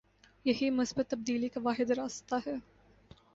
یہی مثبت تبدیلی کا واحد راستہ ہے۔